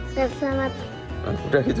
nggak mau ngasih selamat